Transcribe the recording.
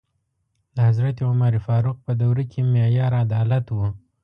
د حضرت عمر فاروق په دوره کې معیار عدالت و.